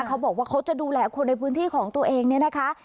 เขาบอกว่าเขาจะดูแลคนในพื้นที่ของตัวเองเนี่ยนะคะ